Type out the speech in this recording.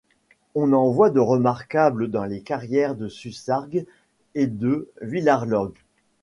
On en voit de remarquables dans les carrières de Sussargues et de Villarlod.